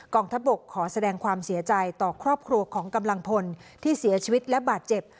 งทัพบกขอแสดงความเสียใจต่อครอบครัวของกำลังพลที่เสียชีวิตและบาดเจ็บ